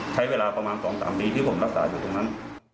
ใช้เวลาประมาณ๒๓ปีที่ผมรักษาอยู่ตรงนั้น